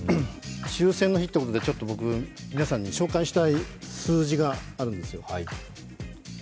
終戦の日ってことで、僕、皆さんに紹介したい数字があるんですよ。